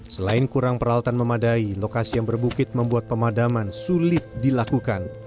selain kurang peralatan memadai lokasi yang berbukit membuat pemadaman sulit dilakukan